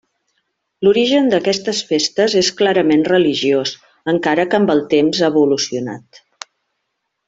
L'origen d'aquestes festes és clarament religiós, encara que amb el temps ha evolucionat.